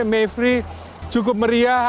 mayfree cukup meriah